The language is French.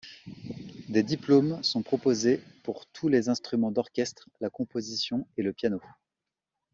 Des diplômes sont proposés pour tous les instruments d'orchestre, la composition et le piano.